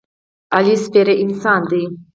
علي سپېره انسان دی.